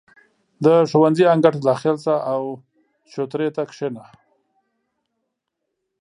• د ښوونځي انګړ ته داخل شه، او چوترې ته کښېنه.